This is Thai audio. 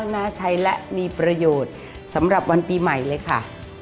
น่าใช้และมีประโยชน์สำหรับวันปีใหม่เลยค่ะ